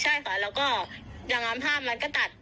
ใช่ค่ะแล้วก็อย่างงั้นภาพมันก็ตัด